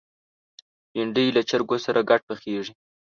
بېنډۍ له چرګو سره ګډ پخېږي